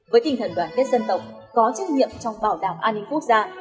với tinh thần đoàn kết dân tộc có trách nhiệm trong bảo đảm an ninh quốc gia